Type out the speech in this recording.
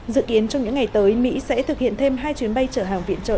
dự kiến trong những ngày tới mỹ sẽ thực hiện thêm hai chuyến bay trở hàng viện trợ